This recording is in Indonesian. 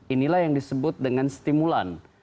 inilah yang disebut dengan stimulan